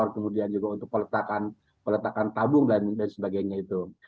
kemudian juga untuk peletakan tabung dan sebagainya itu